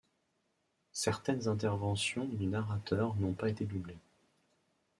Certaines interventions du narrateur n'ont pas été doublées.